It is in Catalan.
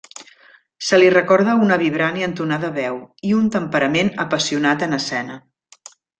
Se li recorda una vibrant i entonada veu, i un temperament apassionat en escena.